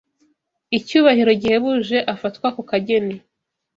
icyubahiro gihebuje afatwa ako kageni